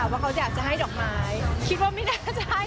ว่าเขาอยากจะให้ดอกไม้คิดว่าไม่น่าจะใช่